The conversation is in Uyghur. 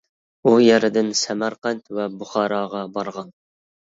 ئۇ يەردىن سەمەرقەنت ۋە بۇخاراغا بارغان.